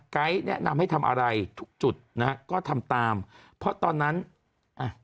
แนะนำให้ทำอะไรทุกจุดนะฮะก็ทำตามเพราะตอนนั้นอ่ะ